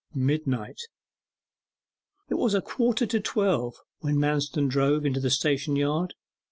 MIDNIGHT It was a quarter to twelve when Manston drove into the station yard.